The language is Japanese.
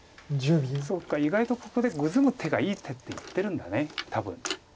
そうか意外とここでグズむ手がいい手って言ってるんだ多分。